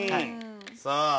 さあ。